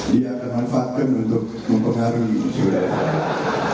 dia akan manfaatkan untuk mempengaruhi surat